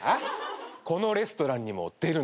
このレストランにも出るんですよ。